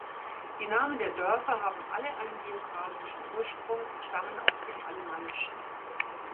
Die Namen der Dörfer haben alle einen geographischen Ursprung und stammen aus dem Alemannischen.